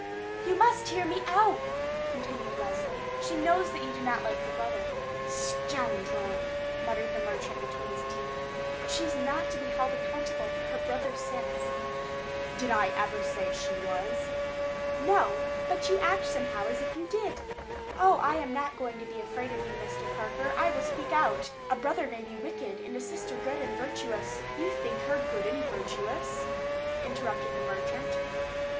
"You must hear me out," continued Leslie. "She knows also that you do not like her brother." "Scoundrel!" muttered the merchant between his teeth. "But she is not to be held accountable for her brother's sins." "Did I ever say she was?" "No; but you act somehow as if you did. Oh, I am not going to be afraid of you, Mr. Parker. I will speak out. A brother may be wicked and a sister good and virtuous——" "You think her good and virtuous?" interrupted the merchant.